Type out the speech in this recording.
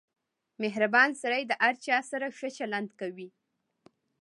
• مهربان سړی د هر چا سره ښه چلند کوي.